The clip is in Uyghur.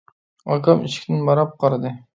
ئاكام ئىشىكتىن ماراپ قارىدى.